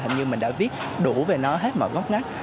hình như mình đã viết đủ về nó hết mọi góc ngắt